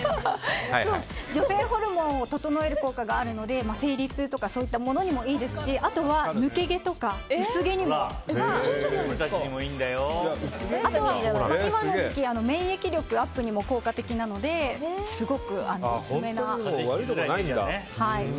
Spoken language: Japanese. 女性ホルモンを整える効果があるので生理痛とかそういったものにもいいですし、抜け毛とか薄毛にも。あとは今の時期免疫力アップにも効果的なのですごくオススメです。